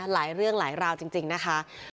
หลายเรื่องหลายราวจริงนะคะ